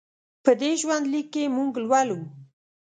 په دې ژوند لیک کې موږ لولو.